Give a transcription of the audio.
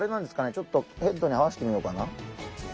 ちょっとヘッドにはわせてみようかな？